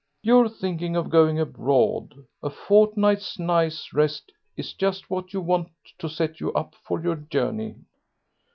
You're thinking of going abroad; a fortnight's nice rest is just what you want to set you up for your journey."